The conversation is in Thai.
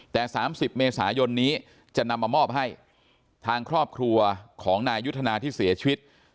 แต่๓๐เมษายนนี้จะนำมามอบให้ทางครอบครัวของนายยุทธนาที่เสียชีวิต